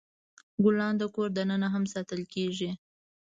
ګلان د کور دننه هم ساتل کیږي.